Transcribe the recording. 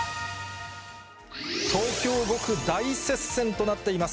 東京５区、大接戦となっています。